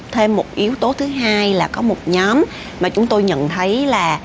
thêm một yếu tố thứ hai là có một nhóm mà chúng tôi nhận thấy là